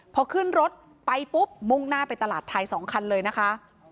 พอขึ้นรถไปปุ๊บมุ่งหน้าไปตลาดไทย๒คันเลยนะคะ